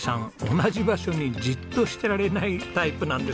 同じ場所にじっとしていられないタイプなんですね。